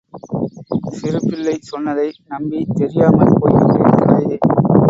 சிறுபிள்ளை சொன்னதை நம்பித் தெரியாமல் போய்விட்டேன் தாயே!